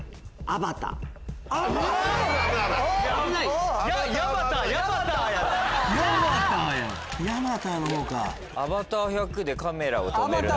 『アバター』１００で『カメラを止めるな！』。